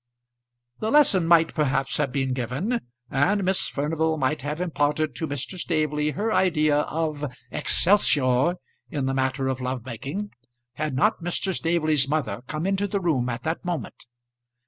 The lesson might perhaps have been given, and Miss Furnival might have imparted to Mr. Staveley her idea of "excelsior" in the matter of love making, had not Mr. Staveley's mother come into the room at that moment.